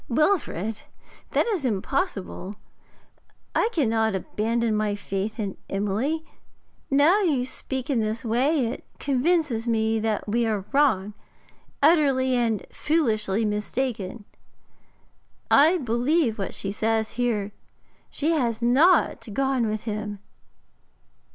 'Wilfrid, that is impossible. I cannot abandon my faith in Emily. New you speak in this way, it convinces me that we are wrong, utterly and foolishly mistaken. I believe what she says here; she has not gone with him.'